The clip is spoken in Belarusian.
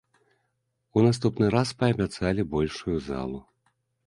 У наступны раз паабяцалі большую залу.